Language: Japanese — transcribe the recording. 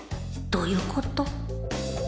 どういうこと？